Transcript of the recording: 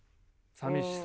寂しさ。